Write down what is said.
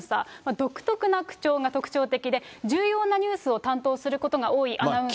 独特な口調が特徴的で、重要なニュースを担当することが多いアナウンサー。